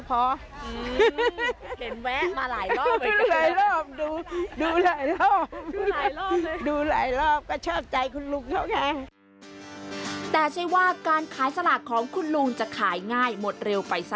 ก็เลยชอบใจสอยใหญ่เลย